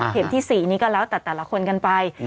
เข็มที่๔นี้ก็แล้วแต่ละคนกันไป